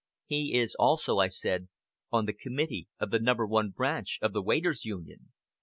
"He is also," I said, "on the committee of the No. 1 Branch of the Waiters' Union.